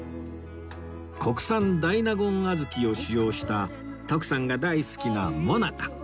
国産大納言小豆を使用した徳さんが大好きなもなか